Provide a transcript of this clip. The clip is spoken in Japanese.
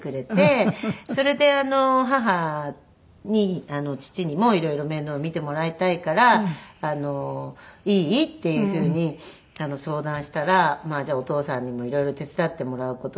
それで母に父にも色々面倒を見てもらいたいからいい？っていうふうに相談したらじゃあお父さんにも色々手伝ってもらう事ね。